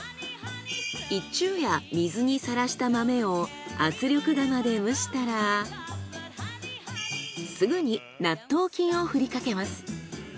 一昼夜水にさらした豆を圧力釜で蒸したらすぐに納豆菌を振りかけます。